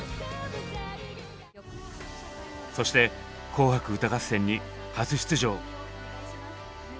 そして「紅白歌合戦」に初出場。